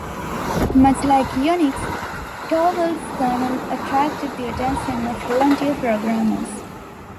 Much like Unix, Torvalds' kernel attracted the attention of volunteer programmers.